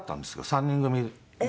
３人組で。